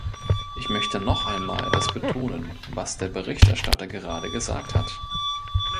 Ich möchte noch einmal das betonen, was der Berichterstatter gerade gesagt hat.